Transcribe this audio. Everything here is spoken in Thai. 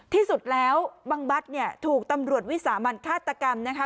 ที่สุดแล้วบังบัตรเนี่ยถูกตำรวจวิสามันฆาตกรรมนะคะ